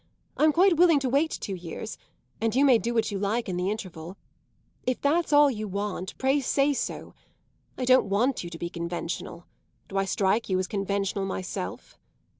I'm quite willing to wait two years, and you may do what you like in the interval. If that's all you want, pray say so. I don't want you to be conventional; do I strike you as conventional myself?